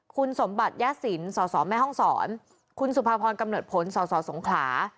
คุณสมบัติยศิลป์ศศแม่ห้องศรคุณสุภพรกำเนิดพ้นศศสงขลา